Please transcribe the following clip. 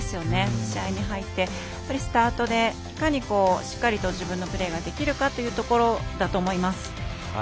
試合に入って、スタートでいかにしっかりと自分のプレーができるかというところだと思います。